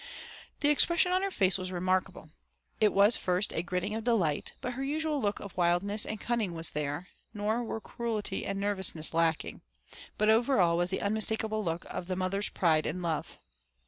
The expression on her face was remarkable. It was first a grinning of delight, but her usual look of wildness and cunning was there, nor were cruelty and nervousness lacking, but over all was the unmistakable look of the mother's pride and love.